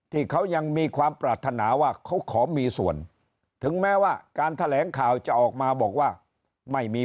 ที่เขายังมีความปรารถนาว่าเขาขอมีส่วนถึงแม้ว่าการแถลงข่าวจะออกมาบอกว่าไม่มี